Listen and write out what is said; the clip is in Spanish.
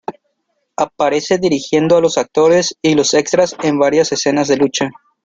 Aparece dirigiendo a los actores y los extras en varias escenas de lucha.